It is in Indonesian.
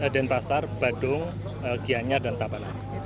denpasar badung giyanya dan tapanan